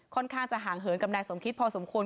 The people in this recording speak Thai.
ค่อนข้างจะห่างเหินกับนายสมคิดพอสมควร